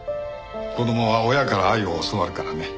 子供は親から愛を教わるからね。